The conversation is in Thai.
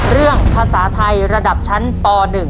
เรื่องภาษาไทยระดับชั้นป๑